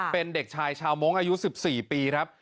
เป็นเด็กชายชาวมงค์อายุ๑๔ปีครับ